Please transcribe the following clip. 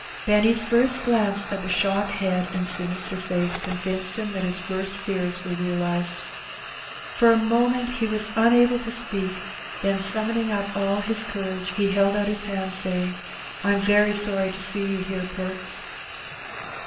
Benny's first glance at the shock head and sinister face convinced him that his worst fears were realized. For a moment he was unable to speak, then summoning up all his courage, he held out his hand, saying, " I'm very sorry to see you here. Perks."